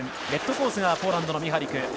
レッドコースがポーランドのミハリク。